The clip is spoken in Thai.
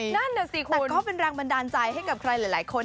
นั่นน่ะสิคุณก็เป็นแรงบันดาลใจให้กับใครหลายคน